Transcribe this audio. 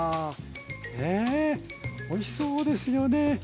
ねおいしそうですよね！